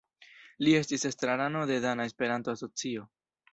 Li estis estrarano de Dana Esperanto Asocio.